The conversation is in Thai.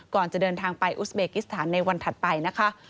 ก่อนจะเดินทางไปอุสเบกิสถานในวันถัดไปนะคะ